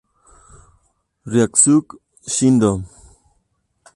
Ryosuke Shindo